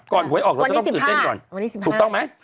วันนี้สิบห้าวันนี้สิบห้าถูกต้องไหม